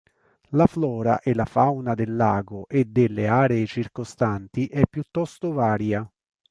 La flora e la fauna del lago e delle aree circostanti è piuttosto varia.